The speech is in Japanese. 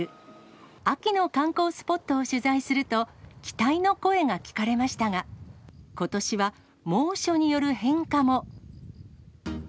秋の観光スポットを取材すると、期待の声が聞かれましたが、ことしは猛暑による変化も。